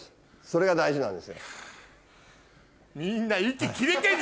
それが大事なんですよ。